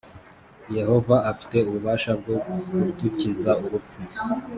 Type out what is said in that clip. yehova afite ububasha bwo kudukiza urupfu